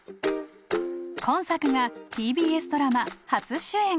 今作がＴＢＳドラマ初主演